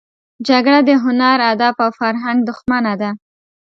جګړه د هنر، ادب او فرهنګ دښمنه ده